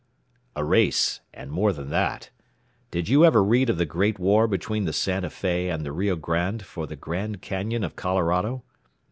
"A race and more than that. Did you ever read of the great war between the Santa Fe and the Rio Grande for the Grand Canyon of Colorado?